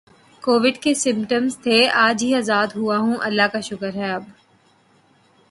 Covid کے symptoms تھے اج ہی ازاد ہوا ہوں اللہ کا شکر ہے اب